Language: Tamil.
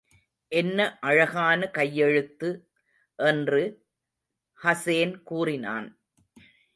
என்ன அழகான கையெழுத்து! என்று ஹசேன் கூறினான்.